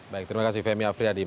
baik terima kasih femi afriyadi